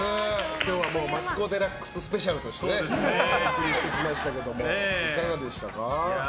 今日はマツコ・デラックススペシャルとしてお送りしてきましたけどもいかがでしたか？